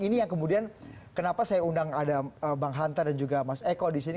ini yang kemudian kenapa saya undang ada bang hanta dan juga mas eko disini